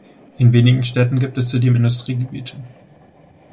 In wenigen Städten gibt es zudem Industriegebiete.